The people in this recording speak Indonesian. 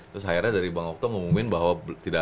terus akhirnya dari bang okto ngomongin bahwa